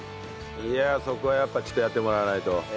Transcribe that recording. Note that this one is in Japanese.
いやそこはやっぱりちょっとやってもらわないと。